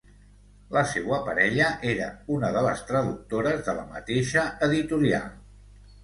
La seua parella era una de les traductores de la mateixa editorial.